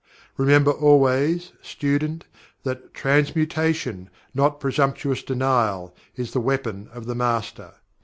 Remember always, student, that "Transmutation, not presumptuous denial, is the weapon of the Master."